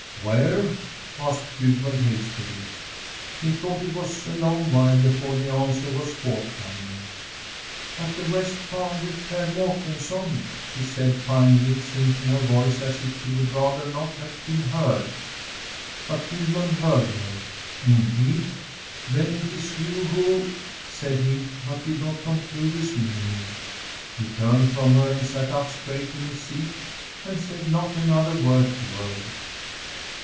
"Where?" asked Gudmund hastily. He thought it was a long while before the answer was forthcoming. "At the West Farm, with Per Mårtensson," she said finally, sinking her voice as if she would rather not have been heard. But Gudmund heard her. "Indeed! Then it is you who " said he, but did not conclude his meaning. He turned from her, and sat up straight in his seat and said not another word to her.